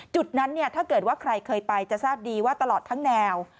จุดนั้นถ้าเกิดว่าใครเคยไปจะทราบดีว่าตลอดทั้งแนว